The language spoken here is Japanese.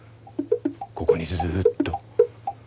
ここにずっと。